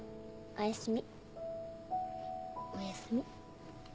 おやすみ。